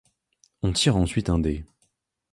On tire ensuite un dé.